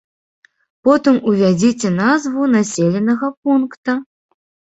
Потым увядзіце назву населенага пункта.